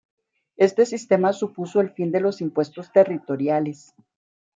Este sistema supuso el fin de los impuestos territoriales.